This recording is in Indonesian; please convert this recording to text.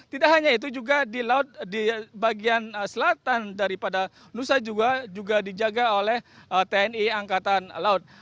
tidak hanya itu juga di laut di bagian selatan daripada nusa juga dijaga oleh tni angkatan laut